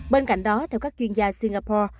bên cạnh đó theo các chuyên gia singapore